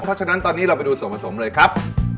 เพราะฉะนั้นตอนนี้เราไปดูส่วนผสมเลยครับ